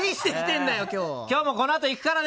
今日もこのあと行くからね！